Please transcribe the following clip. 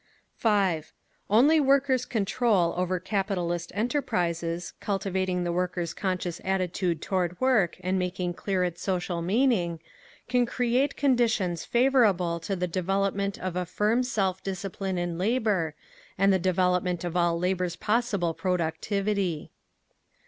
5. Only Workers' Control over capitalist enterprises, cultivating the workers' conscious attitude toward work, and making clear its social meaning, can create conditions favourable to the development of a firm self discipline in labour, and the development of all labour's possible productivity.